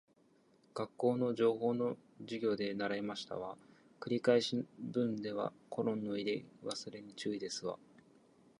学校の情報の授業で習いましたわ。繰り返し文ではコロンの入れ忘れに注意ですわ